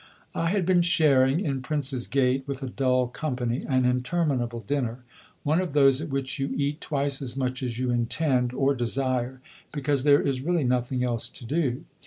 I had been sharing in Prince's Gate, with a dull company, an interminable dinner, one of those at which you eat twice as much as you intend, or desire, because there is really nothing else to do.